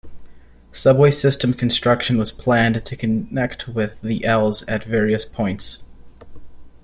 Subway system construction was planned to connect with the els at various points.